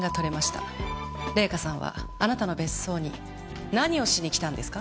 礼香さんはあなたの別荘に何をしに来たんですか？